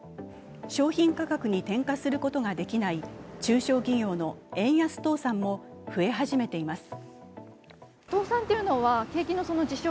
商品価格に転嫁することができない中小企業の円安倒産も増え始めています。